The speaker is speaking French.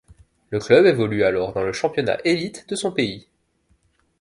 Le club évolue alors dans le championnat élite de son pays.